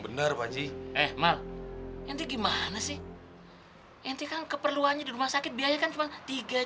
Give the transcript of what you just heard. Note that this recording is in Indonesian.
bener musti eh emang ngerti gimana sih hintikan keperluan e drama sakit biaya kanisation delapan belas